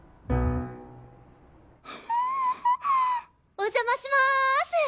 お邪魔します。